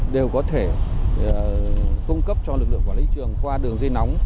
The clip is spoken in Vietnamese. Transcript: đều có thể cung cấp cho lực lượng quản lý trường qua đường dây nóng